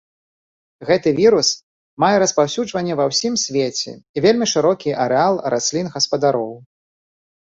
Гэты вірус мае распаўсюджанне ва ўсім свеце і вельмі шырокі арэал раслін-гаспадароў.